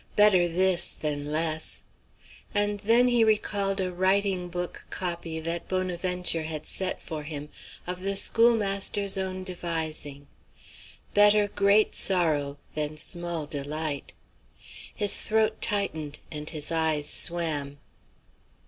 Better this than less." And then he recalled a writing book copy that Bonaventure had set for him, of the schoolmaster's own devising: Better Great Sorrow than Small Delight. His throat tightened and his eyes swam.